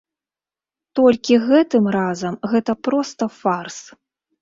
Толькі гэтым разам гэта проста фарс.